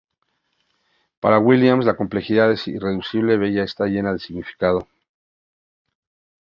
Para Williams, la complejidad es irreducible, bella y está llena de significado.